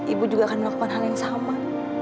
ibu juga akan melakukan hal yang sama